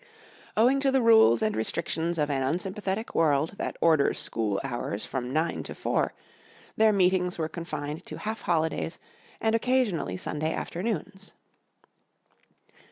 Owing to the rules and restrictions of an unsympathetic world that orders school hours from 9 to 4 their meetings were confined to half holidays and occasionally Sunday afternoons.